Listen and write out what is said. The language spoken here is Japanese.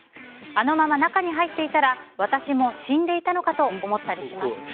あのまま中に入っていたら私も死んでいたのかと思ったりします。